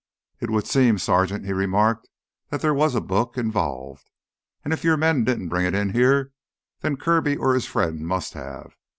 "It would seem, Sergeant," he remarked, "that there was a book involved. And if your men didn't bring it in here, then Kirby or his friend must have.